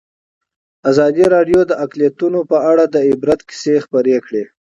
ازادي راډیو د اقلیتونه په اړه د عبرت کیسې خبر کړي.